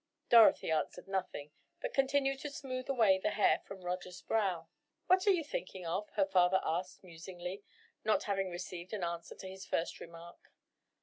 Dorothy answered nothing, but continued to smooth away the hair from Roger's brow. "What are you thinking of?" her father asked musingly, not having received an answer to his first remark.